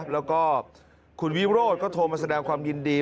แล้วก็คุณวิโรธก็โทรมาแสดงความยินดี